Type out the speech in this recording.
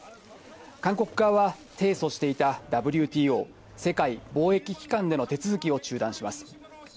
韓国側は、提訴していたＷＴＯ・世界貿易機関での手続きを中断します。